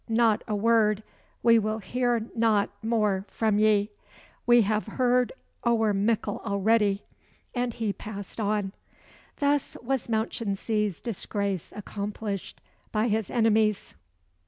not a word! We will hear naught mair frae ye. We hae heard ower meikle already." And he passed on. Thus was Mounchensey's disgrace accomplished by his enemies.